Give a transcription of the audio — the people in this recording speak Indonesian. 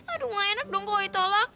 aduh enggak enak dong kalau ditolak